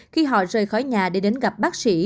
khi họ rời khỏi nhà để đến gặp bác sĩ